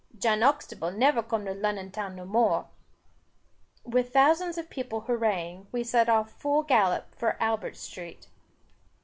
Jan Uxtable never come to Lunnon town no more." With thousands of people hurraing, we set off full gallop for Albert Street.